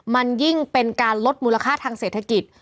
มันยิ่งเป็นการลดมูลค่าทางเศรษฐกิจ